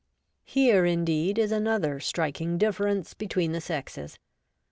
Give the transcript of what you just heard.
Here, indeed, is another striking difference be tween the sexes.